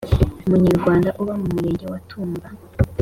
umunyarwanda uba mu Murenge wa Tumba